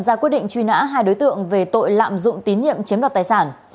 ra quyết định truy nã hai đối tượng về tội lạm dụng tín nhiệm chiếm đoạt tài sản